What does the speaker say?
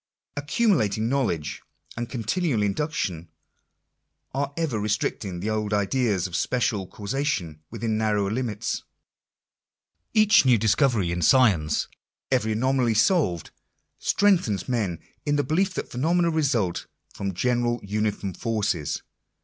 Accumulating knowledge and continual induction are ever restricting the old ideas of special causation within narrower limits. Each new discovery in science — every anomaly solved — strengthens men in the belief that phenomena Digitized by VjOOQIC 40 INTHODUCTION. result from general uniform forces.